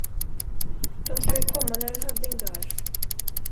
De ska ju komma när en hövding dör.